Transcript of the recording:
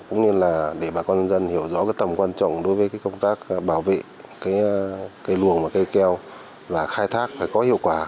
các dân hiểu rõ tầm quan trọng đối với công tác bảo vệ cây luồng và cây keo và khai thác phải có hiệu quả